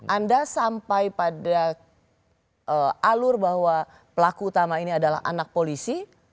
anda sampai pada alur bahwa pelaku utama ini adalah anak polisi